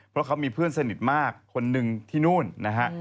เพราะเขามีเพื่อนสนิทมากคนหนึ่งที่นู่นนะฮะ